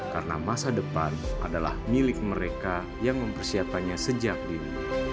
karena masa depan adalah milik mereka yang mempersiapkannya sejak dini